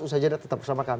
usha jeddah tetap bersama kami